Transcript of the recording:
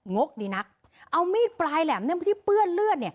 งกดีนักเอามีดปลายแหลมไปที่เปื้อนเลือด